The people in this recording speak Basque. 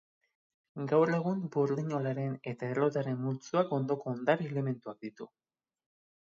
Gaur egun burdinolaren eta errotaren multzoak ondoko ondare-elementuak ditu.